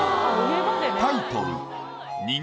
タイトル。